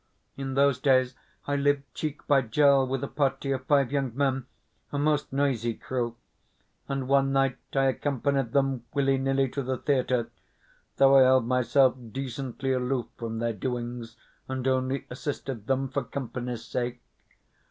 In those days I lived cheek by jowl with a party of five young men a most noisy crew and one night I accompanied them, willy nilly, to the theatre, though I held myself decently aloof from their doings, and only assisted them for company's sake.